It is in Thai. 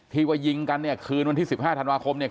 ว่ายิงกันเนี่ยคืนวันที่๑๕ธันวาคมเนี่ย